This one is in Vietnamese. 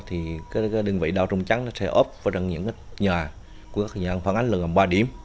thì đơn vị đo rung trắng sẽ ốp vào những nhà phản ánh lượng ba điểm